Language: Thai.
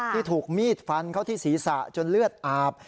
ที่ถูกมีดฟันเข้าที่ศีรษะจนเลือดอาบ